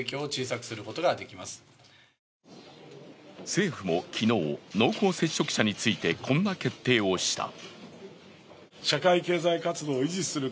政府も昨日、濃厚接触者についてこんな決定をした。